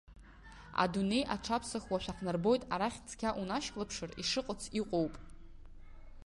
Адунеи аҽаԥсахуашәа ҳнарбоит, арахь цқьа унашьклаԥшыр ишыҟац иҟоуп.